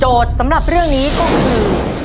สำหรับเรื่องนี้ก็คือ